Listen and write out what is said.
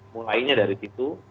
mulainya dari situ